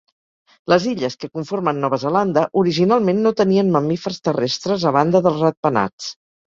Les illes que conformen Nova Zelanda originalment no tenien mamífers terrestres a banda dels ratpenats.